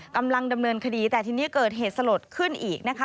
กำลังดำเนินคดีแต่ทีนี้เกิดเหตุสลดขึ้นอีกนะคะ